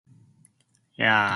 Yeah.